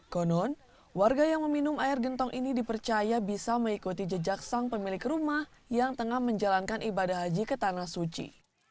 konon warga yang meminum air gentong ini dipercaya bisa mengikuti jejak sang pemilik rumah yang tengah menjalankan ibadah haji ke tanah suci